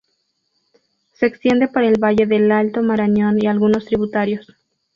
Se extiende por el valle del alto Marañón y algunos tributarios.